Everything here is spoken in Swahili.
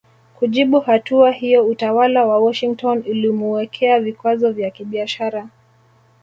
Kujibu hatua hiyo utawala wa Washington ulimuwekea vikwazo vya kibiashara